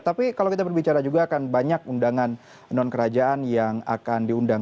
tapi kalau kita berbicara juga akan banyak undangan non kerajaan yang akan diundang